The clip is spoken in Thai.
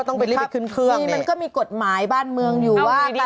ต้องเอาที่อยู่